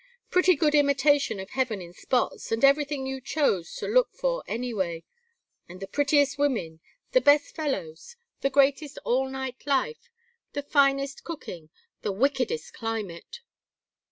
Pretty good imitation of heaven in spots, and everything you chose to look for, anyway. And the prettiest women, the best fellows, the greatest all night life, the finest cooking, the wickedest climate.